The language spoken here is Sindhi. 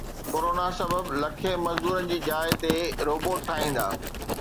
ڪرونا سبب لکين مزدورن جي جاءِ تي روبوٽ ٺاهيندا